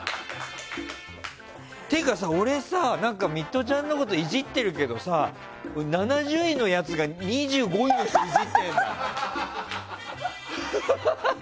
てか俺さ、ミトちゃんのことイジってるけどさ７０位のやつが２５位のやつイジってるんだ。